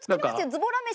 ズボラ飯。